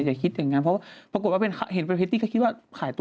อย่าคิดอย่างนั้นเพราะว่าปรากฏว่าเห็นเป็นพริตตี้ก็คิดว่าขายตัว